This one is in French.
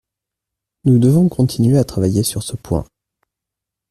Nous devons continuer à travailler sur ce point.